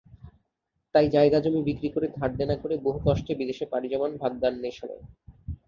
তাই জায়গা-জমি বিক্রি করে, ধার-দেনা করে বহু কষ্টে বিদেশে পাড়ি জমান ভাগ্যান্বেষণে।